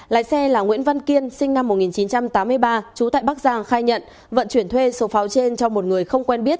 lái xe là nguyễn văn kiên sinh năm một nghìn chín trăm tám mươi ba trú tại bắc giang khai nhận vận chuyển thuê số pháo trên cho một người không quen biết